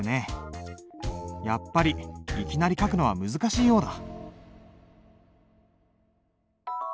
やっぱりいきなり書くのは難しいようだ。